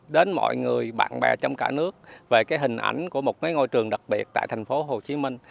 đến mọi người bạn bè trong cả nước về cái hình ảnh của một ngôi trường đặc biệt tại thành phố hồ chí minh